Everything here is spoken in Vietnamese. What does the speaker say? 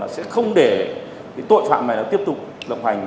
sẽ không để cái tội phạm này tiếp tục lộng hành